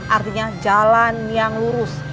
artinya jalan yang lurus